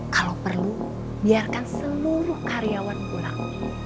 kalau perlu biarkan seluruh karyawan pulang